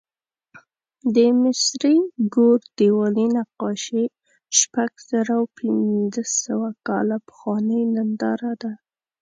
د مصري ګور دیوالي نقاشي شپږزرهپینځهسوه کاله پخوانۍ ننداره ده.